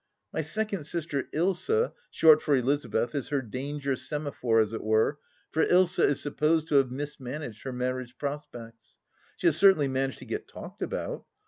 My second sister Ilsa, short for Elizabeth, is her danger semaphore, as it were, for Ilsa is supposed to have mis managed her marriage prospects. She has certainly managed to get talked about.